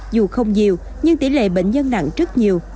dù không nhiều nhưng tỷ lệ bệnh nhân nặng rất nhiều